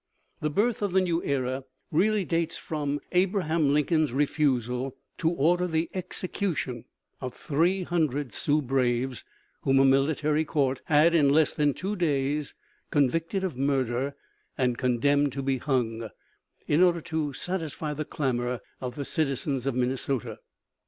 The birth of the new era really dates from Abraham Lincoln's refusal to order the execution of three hundred Sioux braves, whom a military court had, in less than two days, convicted of murder and condemned to be hung, in order to satisfy the clamor of the citizens of Minnesota.